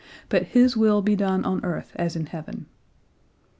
But His will be done on earth as in heaven."